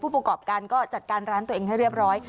ประกอบการก็จัดการร้านตัวเองให้เรียบร้อย